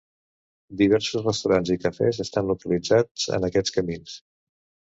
Diversos restaurants i cafès estan localitzats en aquests camins.